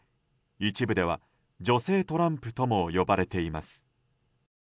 一部では女性トランプとも呼ばれています。